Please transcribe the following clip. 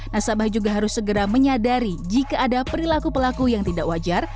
nasabah juga harus segera menyadari jika ada perilaku pelaku yang tidak wajar